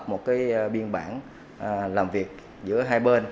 một cái biên bản làm việc giữa hai bên